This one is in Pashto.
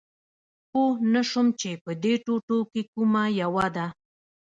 پوه نه شوم چې په دې ټوټو کې کومه یوه ده